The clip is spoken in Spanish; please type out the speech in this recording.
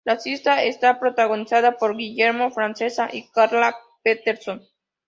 La cinta está protagonizada por Guillermo Francella y Carla Peterson.